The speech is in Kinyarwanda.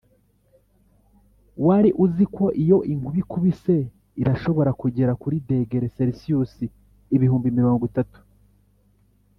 wari uziko iyo inkuba ikubise irashobora kugera kuri dogere selisiyusi ibihumbi mirongo itatu